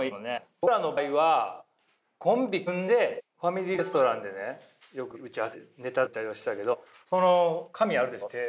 僕らの場合はコンビ組んでファミリーレストランでねよく打ち合わせネタ作ったりはしてたけど紙あるでしょ？